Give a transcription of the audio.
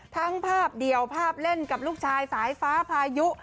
ทั้งภาพเดี่ยวภาพเล่นกับลูกชายสายฟ้าพายุ